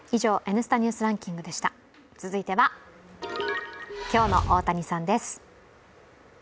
続いては、今日の大谷さんです。